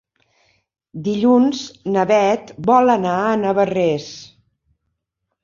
Dilluns na Bet vol anar a Navarrés.